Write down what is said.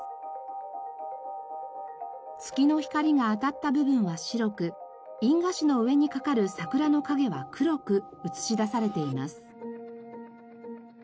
月の光が当たった部分は白く印画紙の上にかかる桜の影は黒く映し出されています。